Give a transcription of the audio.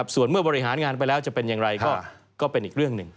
ส่วนเมื่อบริหารงานไปแล้วจะเป็นอย่างไรก็เป็นอีกเรื่องหนึ่ง